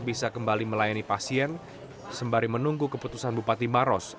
bisa kembali melayani pasien sembari menunggu keputusan bupati maros